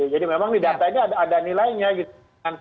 jadi memang di datanya ada nilainya gitu